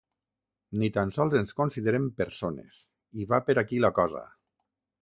Ni tan sols ens consideren persones i va per aquí la cosa.